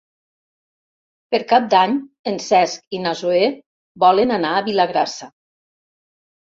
Per Cap d'Any en Cesc i na Zoè volen anar a Vilagrassa.